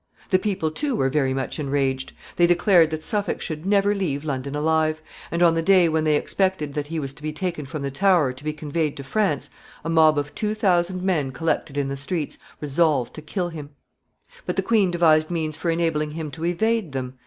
The people, too, were very much enraged. They declared that Suffolk should never leave London alive; and on the day when they expected that he was to be taken from the Tower to be conveyed to France, a mob of two thousand men collected in the streets, resolved to kill him. [Sidenote: Suffolk escapes by sea.] But the queen devised means for enabling him to evade them.